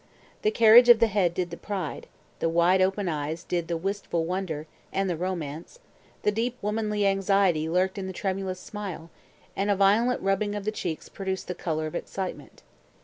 The carriage of the head "did" the pride, the wide open eyes "did" the wistful wonder and the romance, the deep womanly anxiety lurked in the tremulous smile, and a violent rubbing of the cheeks produced the colour of excitement.